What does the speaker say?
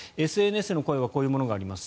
ＳＮＳの声はこういうものがあります。